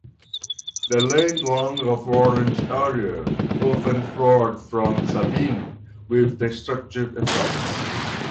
The land along the Orange area often flooded from the Sabine, with destructive effects.